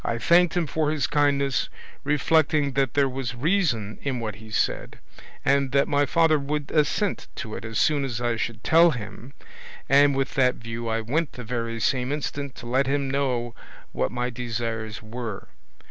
I thanked him for his kindness, reflecting that there was reason in what he said, and that my father would assent to it as soon as I should tell him, and with that view I went the very same instant to let him know what my desires were.